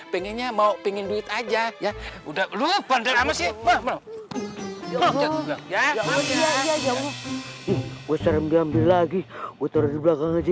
pengennya mau pengen duit aja ya udah lupa dan masih mau ya ya ya ya ya ya ya ya ya